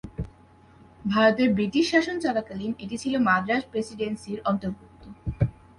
ভারতে ব্রিটিশ শাসন চলাকালীন এটি ছিল মাদ্রাজ প্রেসিডেন্সির অন্তর্ভুক্ত।